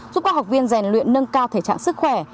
giúp các học viên rèn luyện nâng cao thể trạng sức khỏe